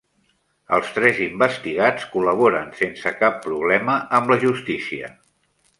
Els tres investigats col·laboren sense cap problema amb la justícia